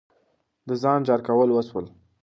د ځان جار کول وسول.